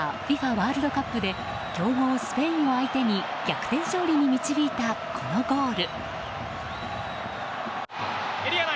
ワールドカップで強豪スペインを相手に逆転勝利に導いたこのゴール。